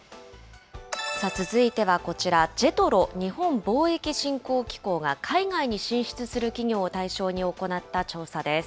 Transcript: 続いてはこちら、ＪＥＴＲＯ・日本貿易振興機構が海外に進出する企業を対象に行った調査です。